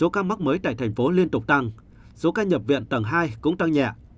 ca mắc mới tại tp hcm liên tục tăng số ca nhập viện tầng hai cũng tăng nhẹ